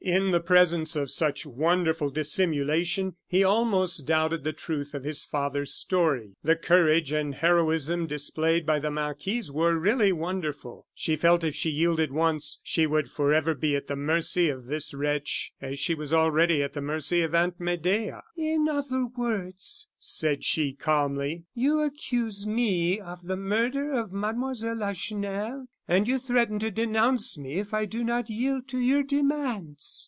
In the presence of such wonderful dissimulation he almost doubted the truth of his father's story. The courage and heroism displayed by the marquise were really wonderful. She felt if she yielded once, she would forever be at the mercy of this wretch, as she was already at the mercy of Aunt Medea. "In other words," said she, calmly, "you accuse me of the murder of Mademoiselle Lacheneur; and you threaten to denounce me if I do not yield to your demands."